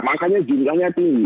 makanya jumlahnya tinggi